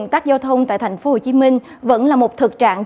tại tp hcm vẫn là một thực trạng